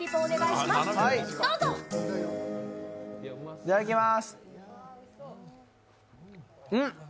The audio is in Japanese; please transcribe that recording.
いただきまーす。